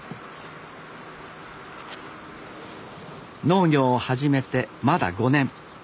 農業を始めてまだ５年。